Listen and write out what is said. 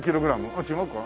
あっ違うか？